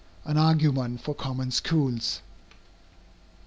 AN ARGUMENT FOR COMMON SCHOOLS.